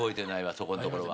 そこんところは。